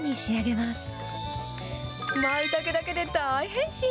まいたけだけで大変身。